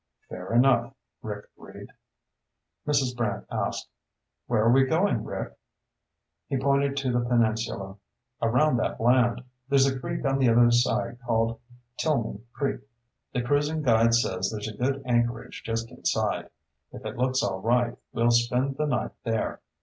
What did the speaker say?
"Fair enough," Rick agreed. Mrs. Brant asked, "Where are we going, Rick?" He pointed to the peninsula. "Around that land. There's a creek on the other side called Tilghman Creek. The cruising guide says there's a good anchorage just inside. If it looks all right, well spend the night there.